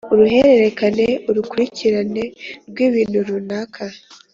uruhererekane : urukurikirane rw’ibintu runaka.